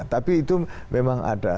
tapi itu memang ada